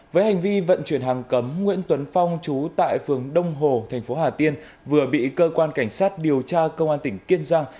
với hành vi vận chuyển hàng cấm nguyễn tuấn phong chú tại phường đông hồ thành phố hà tiên vừa bị cơ quan cảnh sát điều tra công an tỉnh kiên giang